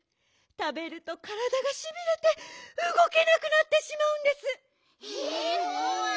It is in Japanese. たべるとからだがしびれてうごけなくなってしまうんです。え！？